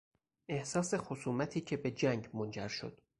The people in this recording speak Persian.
احساس خصومتی که به جنگ منجر شد